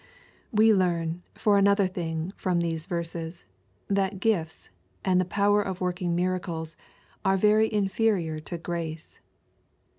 We learn, for another thing, from these verses, that gifts ^ and power of working miracles, are very inferior to grace.